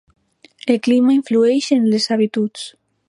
El clima influeix en les habituds.